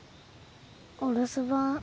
お留守番。